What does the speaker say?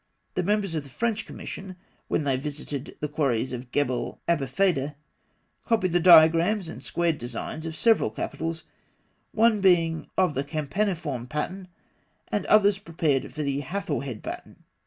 The members of the French Commission, when they visited the quarries of Gebel Abûfeydeh, copied the diagrams and squared designs of several capitals, one being of the campaniform pattern, and others prepared for the Hathor head pattern (fig.